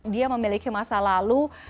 dia memiliki masa lalu